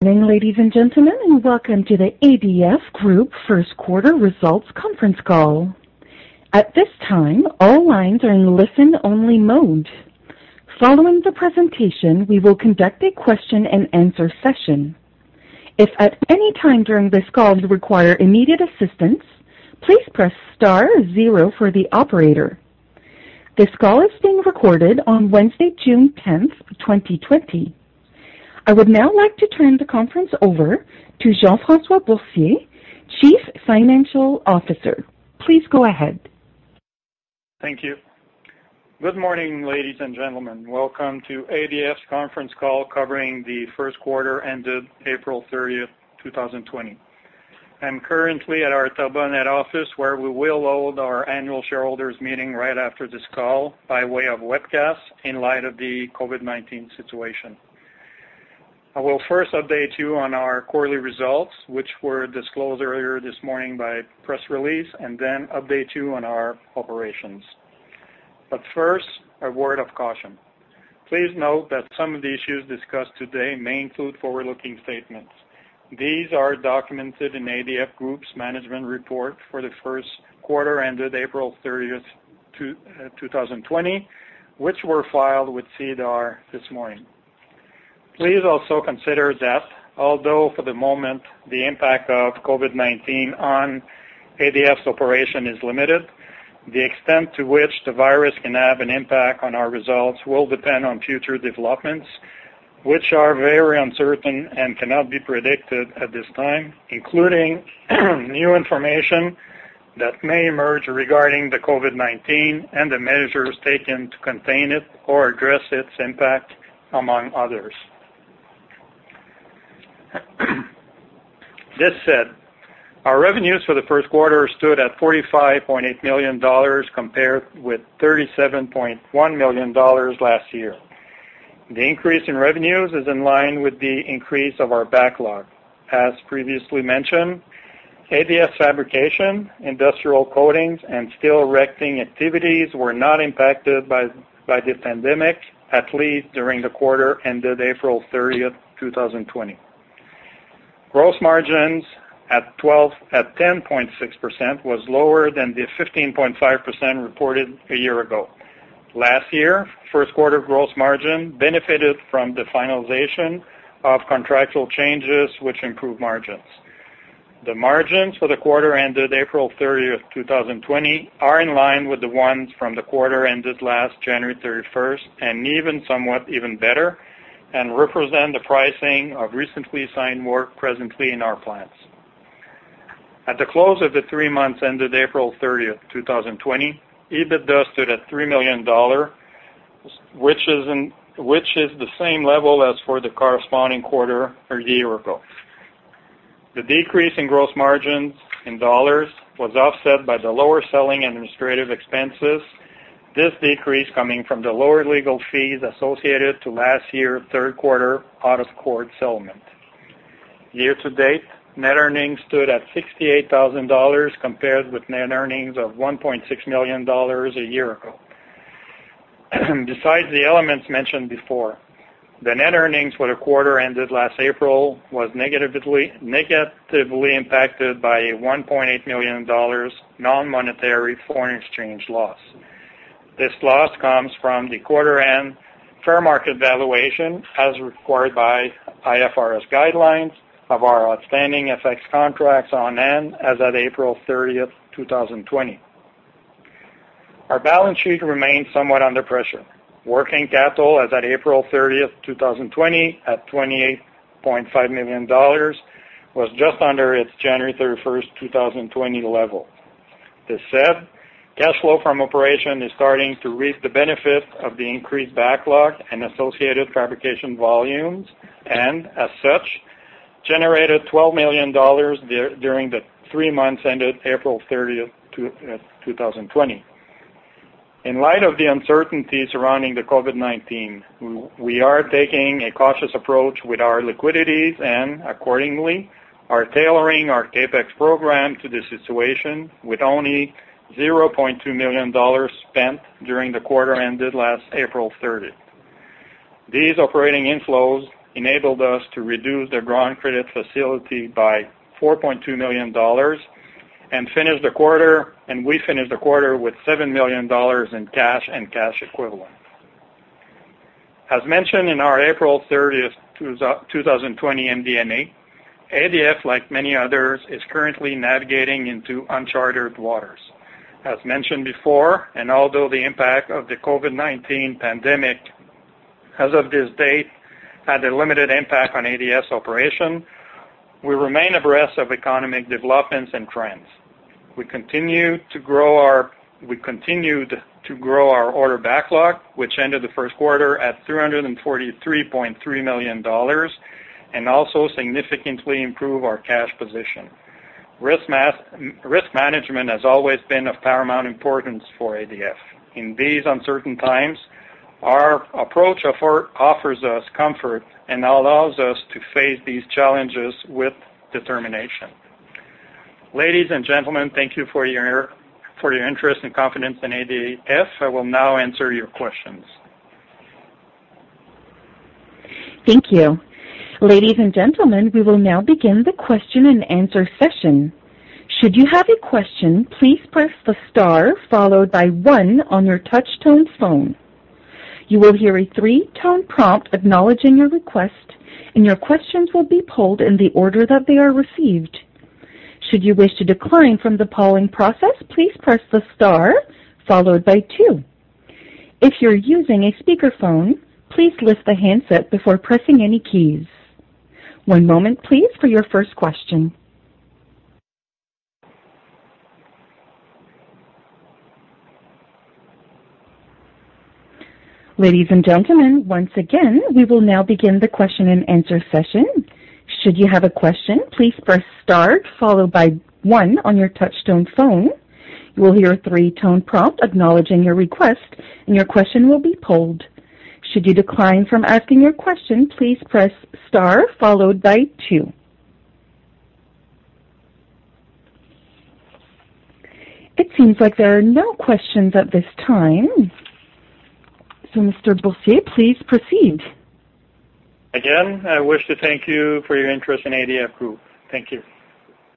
Good morning, ladies and gentlemen, and welcome to the ADF Group First Quarter Results Conference Call. At this time, all lines are in listen-only mode. Following the presentation, we will conduct a question and answer session. If at any time during this call you require immediate assistance, please press star zero for the operator. This call is being recorded on Wednesday, June 10, 2020. I would now like to turn the conference over to Jean-François Boursier, Chief Financial Officer. Please go ahead. Thank you. Good morning, ladies and gentlemen. Welcome to ADF's conference call covering the first quarter ended April 30, 2020. I'm currently at our Terrebonne office, where we will hold our annual shareholders' meeting right after this call by way of webcast, in light of the COVID-19 situation. I will first update you on our quarterly results, which were disclosed earlier this morning by press release, and then update you on our operations. First, a word of caution. Please note that some of the issues discussed today may include forward-looking statements. These are documented in ADF Group's management report for the first quarter ended April 30th, 2020, which were filed with SEDAR this morning. Please also consider that although for the moment, the impact of COVID-19 on ADF's operation is limited, the extent to which the virus can have an impact on our results will depend on future developments, which are very uncertain and cannot be predicted at this time, including new information that may emerge regarding the COVID-19 and the measures taken to contain it or address its impact, among others. This said, our revenues for the first quarter stood at 45.8 million dollars compared with 37.1 million dollars last year. The increase in revenues is in line with the increase of our backlog. As previously mentioned, ADF fabrication, industrial coatings, and steel erecting activities were not impacted by this pandemic, at least during the quarter ended April 30, 2020. Gross margins at 10.6% was lower than the 15.5% reported a year ago. Last year, first quarter gross margin benefited from the finalization of contractual changes, which improved margins. The margins for the quarter ended April 30, 2020, are in line with the ones from the quarter ended last January 31st, and even somewhat even better, and represent the pricing of recently signed work presently in our plants. At the close of the three months ended April 30, 2020, EBITDA stood at 3 million dollar, which is the same level as for the corresponding quarter a year ago. The decrease in gross margins in dollars was offset by the lower selling administrative expenses. This decrease coming from the lower legal fees associated to last year, third quarter out-of-court settlement. Year-to-date, net earnings stood at 68,000 dollars, compared with net earnings of 1.6 million dollars a year ago. Besides the elements mentioned before, the net earnings for the quarter ended last April was negatively impacted by 1.8 million dollars non-monetary foreign exchange loss. This loss comes from the quarter end fair market valuation as required by IFRS guidelines of our outstanding FX contracts on hand as at April 30, 2020. Our balance sheet remains somewhat under pressure. Working capital as at April 30, 2020, at CAD 28.5 million, was just under its January 31, 2020, level. This said, cash flow from operation is starting to reap the benefit of the increased backlog and associated fabrication volumes, and as such, generated 12 million dollars during the three months ended April 30, 2020. In light of the uncertainty surrounding the COVID-19, we are taking a cautious approach with our liquidities, and accordingly, are tailoring our CapEx program to the situation with only 0.2 million dollars spent during the quarter ended last April 30th. These operating inflows enabled us to reduce the drawn credit facility by 4.2 million dollars and we finished the quarter with 7 million dollars in cash and cash equivalent. As mentioned in our April 30, 2020 MD&A, ADF, like many others, is currently navigating into unchartered waters. As mentioned before, and although the impact of the COVID-19 pandemic as of this date had a limited impact on ADF's operation, we remain abreast of economic developments and trends. We continued to grow our order backlog, which ended the first quarter at 343.3 million dollars, and also significantly improved our cash position. Risk management has always been of paramount importance for ADF. In these uncertain times, our approach offers us comfort and allows us to face these challenges with determination. Ladies and gentlemen, thank you for your interest and confidence in ADF. I will now answer your questions. Thank you. Ladies and gentlemen, we will now begin the question and answer session. Should you have a question, please press the star followed by one on your touchtone phone. You will hear a three-tone prompt acknowledging your request, and your questions will be polled in the order that they are received. Should you wish to decline from the polling process, please press the star followed by two. If you're using a speakerphone, please lift the handset before pressing any keys. One moment, please, for your first question. Ladies and gentlemen, once again, we will now begin the question and answer session. Should you have a question, please press star followed by one on your touchtone phone. You will hear a three-tone prompt acknowledging your request, and your question will be polled. Should you decline from asking your question, please press star followed by two. It seems like there are no questions at this time. Mr. Boursier, please proceed. Again, I wish to thank you for your interest in ADF Group. Thank you.